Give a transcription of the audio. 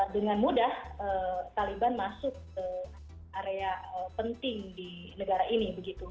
dengan mudah taliban masuk ke area penting di negara ini